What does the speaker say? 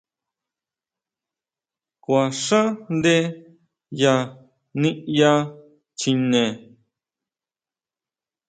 ¿Kuaxaʼnde ya niyá chjine?